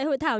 tại hội thảo